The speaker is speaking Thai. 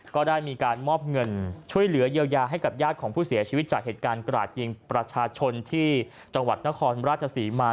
ก็ได้มีการมอบเงินช่วยเหลือเยียวยาให้กับญาติของผู้เสียชีวิตจากเหตุการณ์กราดยิงประชาชนที่จังหวัดนครราชศรีมา